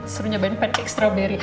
seru nyobain pancake strawberry